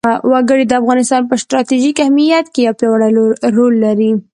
وګړي د افغانستان په ستراتیژیک اهمیت کې یو پیاوړی رول لري.